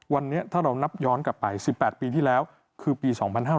วันนี้ถ้าเรานับย้อนกลับไป๑๘ปีที่แล้วคือปี๒๕๕๙